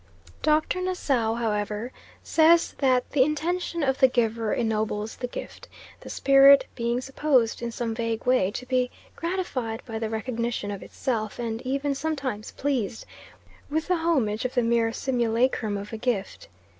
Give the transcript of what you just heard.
Dr. Nassau, however, says that "the intention of the giver ennobles the gift," the spirit being supposed, in some vague way, to be gratified by the recognition of itself, and even sometimes pleased with the homage of the mere simulacrum of a gift.